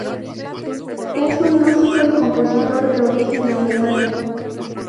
Es un músico y compositor de origen alemán.